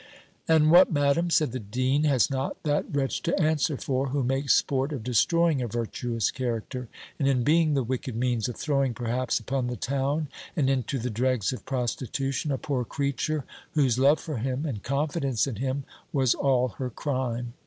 "And what, Madam," said the dean, "has not that wretch to answer for, who makes sport of destroying a virtuous character, and in being the wicked means of throwing, perhaps, upon the town, and into the dregs of prostitution, a poor creature, whose love for him, and confidence in him, was all her crime?